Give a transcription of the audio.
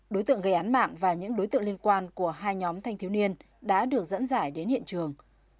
đối tượng gây án mạng và những đối tượng liên quan của hai nhóm thanh thiếu niên đã được dẫn giải đến hiện trường